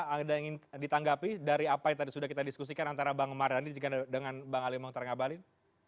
ada yang ingin ditanggapi dari apa yang tadi sudah kita diskusikan antara bang mardhani dengan bang ali mongtar ngabalin